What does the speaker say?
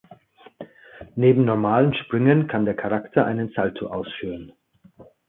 Neben normalen Sprüngen kann der Charakter einen Salto ausführen.